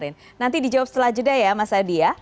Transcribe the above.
nanti dijawab setelah jeda ya mas adi ya